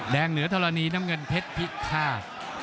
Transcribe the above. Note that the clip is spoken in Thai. เหนือธรณีน้ำเงินเพชรพิฆาต